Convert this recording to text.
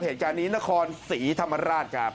เหตุการณ์นี้นครศรีธรรมราชครับ